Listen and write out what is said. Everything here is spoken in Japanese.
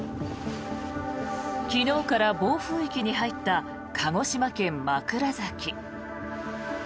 昨日から暴風域に入った鹿児島県枕崎。